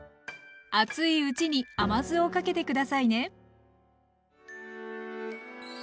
熱いうちに甘酢をかけて下さいね。